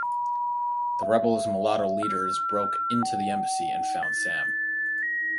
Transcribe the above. The rebels' mulatto leaders broke into the embassy and found Sam.